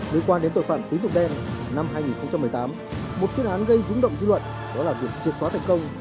đối quan đến tội phạm tín dụng đen năm hai nghìn một mươi tám một chuyến án gây dũng động dư luận đó là việc triệt xóa thành công